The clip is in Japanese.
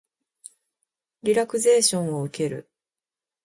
リラクゼーションを受ける